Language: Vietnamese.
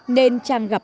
nên trang gặp dùm